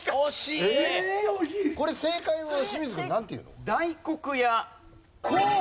これ正解は清水君なんていうの？